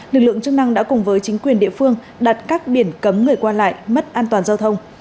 lực lượng chức năng đã cùng với chính quyền địa phương đặt các biển cấm người qua lại mất an toàn giao thông